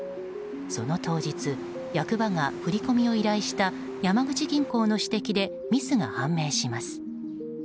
その当日役場が振り込みを依頼した山口銀行の指摘でミスが判明します。